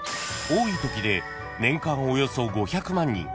多いときで年間およそ５００万人